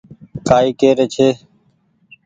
ڪآ ئي ڪهري ڇي